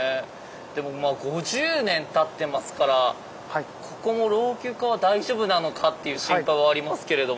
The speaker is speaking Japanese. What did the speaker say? でも５０年たってますからここも老朽化は大丈夫なのかっていう心配はありますけれども。